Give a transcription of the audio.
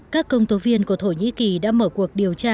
các công tố viên của thổ nhĩ kỳ đã mở cuộc điều tra